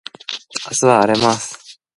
明日は荒れます